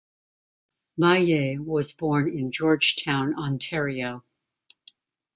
Maillet was born in Georgetown Ontario.